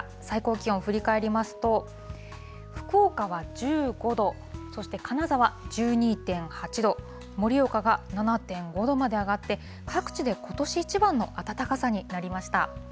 最高気温振り返りますと、福岡は１５度、そして金沢１２．８度、盛岡が７．５度まで上がって、各地でことし一番の暖かさになりました。